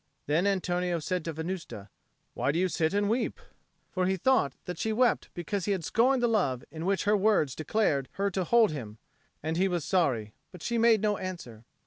Then Antonio said to Venusta, "Why do you sit and weep?" For he thought that she wept because he had scorned the love in which her words declared her to hold him, and he was sorry. But she made no answer.